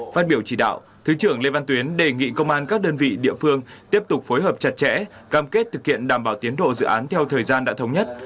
phát biểu chỉ đạo thứ trưởng lê văn tuyến đề nghị công an các đơn vị địa phương tiếp tục phối hợp chặt chẽ cam kết thực hiện đảm bảo tiến độ dự án theo thời gian đã thống nhất